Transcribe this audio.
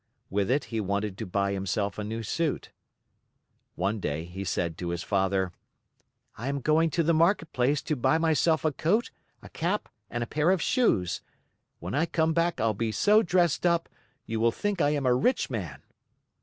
With it he wanted to buy himself a new suit. One day he said to his father: "I am going to the market place to buy myself a coat, a cap, and a pair of shoes. When I come back I'll be so dressed up, you will think I am a rich man."